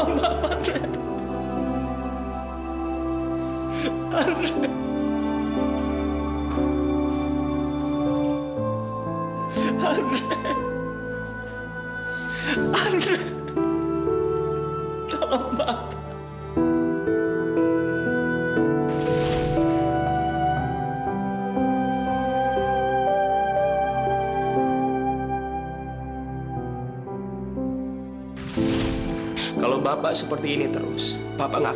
mirza udah sadar zak